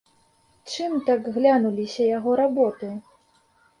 Чым так глянуліся яго работы?